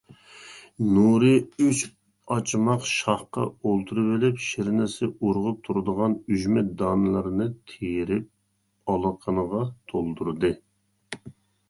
نۇرى ئۈچ ئاچىماق شاخقا ئولتۇرۇۋېلىپ شىرنىسى ئۇرغۇپ تۇرىدىغان ئۈجمە دانىلىرىنى تېرىپ ئالىقىنىغا تولدۇردى.